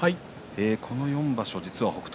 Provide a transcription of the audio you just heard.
この４場所北勝